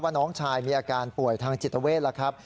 น้องชายมีอาการป่วยทางจิตเวทแล้วครับ